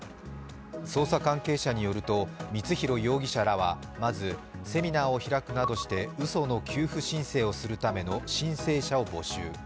捜査関係者によると、光弘容疑者らはまずセミナーを開くなどしてうその給付申請をするための申請者を募集。